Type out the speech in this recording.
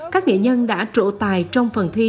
các nghệ nhân đã trộ tài trong phần thi